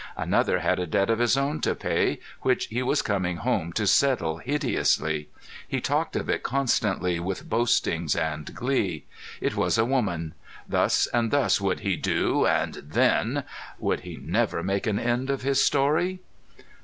Another had a debt of his own to pay, which he was coming home to settle hideously. He talked of it constantly, with boastings and glee. It was a woman. Thus and thus would he do and then would he never make an end of his story?